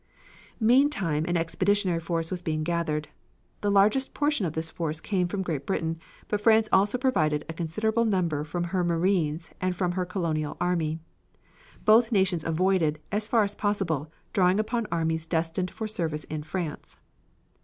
Meantime, an expeditionary force was being gathered. The largest portion of this force came from Great Britain, but France also provided a considerable number from her marines and from her Colonial army. Both nations avoided, as far as possible, drawing upon the armies destined for service in France.